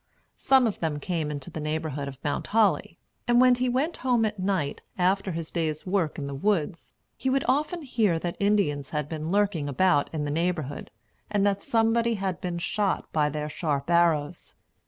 Some of them came into the neighborhood of Mount Holly; and when he went home at night, after his day's work in the woods, he would often hear that Indians had been lurking about in the neighborhood, and that somebody had been shot by their sharp arrows.